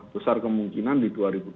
besar kemungkinan di dua ribu dua puluh